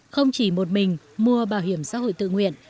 không chỉ một mình mua bảo hiểm xã hội tự nguyện